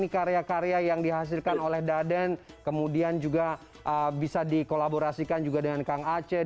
karya karya yang dihasilkan oleh daden kemudian juga bisa dikolaborasikan juga dengan kang aceh